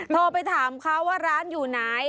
โทรไปถามเขาว่าร้านอยู่ไหน